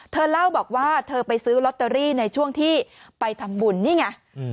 เธอเล่าบอกว่าเธอไปซื้อลอตเตอรี่ในช่วงที่ไปทำบุญนี่ไง